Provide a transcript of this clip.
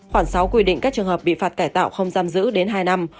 khoảng sáu quy định các trường hợp bị phạt cải tạo không giam giữ đến hai năm